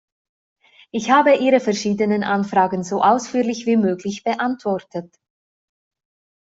Ich habe Ihre verschiedenen Anfragen so ausführlich wie möglich beantwortet.